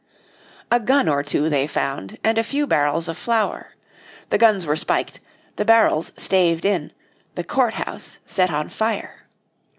A gun or two they found, and a few barrels of flour. The guns were spiked, the barrels staved in, the court house set on fire.